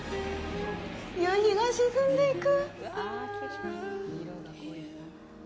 夕日が沈んでいく。